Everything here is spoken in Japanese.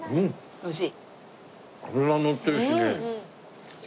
おいしい！